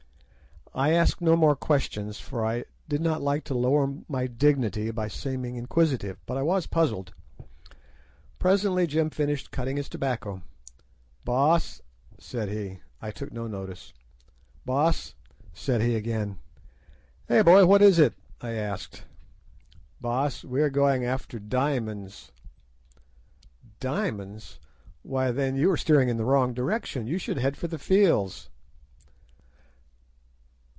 "I asked no more questions, for I did not like to lower my dignity by seeming inquisitive, but I was puzzled. Presently Jim finished cutting his tobacco. "'Baas,' said he. "I took no notice. "'Baas,' said he again. "'Eh, boy, what is it?' I asked. "'Baas, we are going after diamonds.' "'Diamonds! why, then, you are steering in the wrong direction; you should head for the Fields.